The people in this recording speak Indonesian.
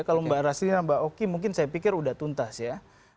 kalau mbak raslina mbak oki mungkin saya pikir sudah tuntas ya